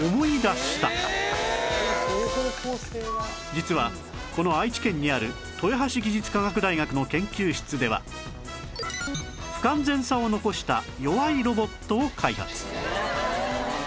実はこの愛知県にある豊橋技術科学大学の研究室では不完全さを残した弱いロボットを開発